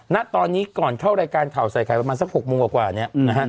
ณตอนนี้ก่อนเข้ารายการข่าวใส่ไข่ประมาณสัก๖โมงกว่าเนี่ยนะฮะ